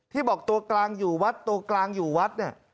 บอกตัวกลางอยู่วัดตัวกลางอยู่วัดเนี่ย